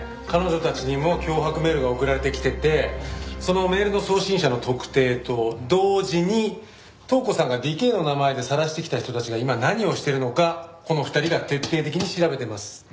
彼女たちにも脅迫メールが送られてきててそのメールの送信者の特定と同時に塔子さんがディケーの名前で晒してきた人たちが今何をしてるのかこの２人が徹底的に調べてます。